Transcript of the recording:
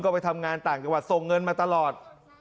ก็ไปทำงานต่างจังหวัดส่งเงินมาตลอด